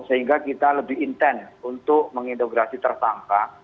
sehingga kita lebih intent untuk mengintegrasi tersangka